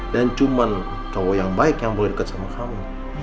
dan cuman cowok yang baik yang boleh deket sama kamu